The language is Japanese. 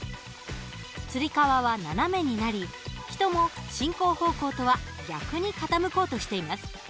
つり革は斜めになり人も進行方向とは逆に傾こうとしています。